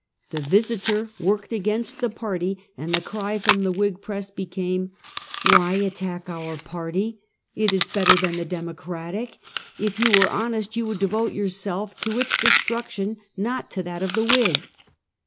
The Visiter worked against the party, and the cry from the "Whig press became: " Why attack our party ? It is better than the Demo cratic. If you were honest, you would devote your self to its destruction, not to that of the Whig."